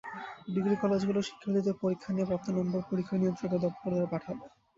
Degree কলেজগুলো শিক্ষার্থীদের পরীক্ষা নিয়ে প্রাপ্ত নম্বর পরীক্ষা নিয়ন্ত্রকের দপ্তরে পাঠাবে।